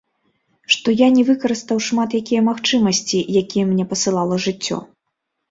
Што я не выкарыстаў шмат якія магчымасці, якія мне пасылала жыццё.